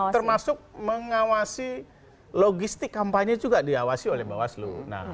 termasuk mengawasi logistik kampanye juga diawasi oleh bawaslu